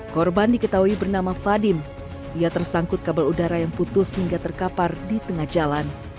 korban diketahui bernama fadil ia tersangkut kabel udara yang putus hingga terkapar di tengah jalan